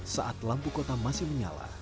saat lampu kota masih menyala